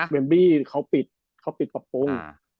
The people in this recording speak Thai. เว็มบรีเขาปิดปรับปรุง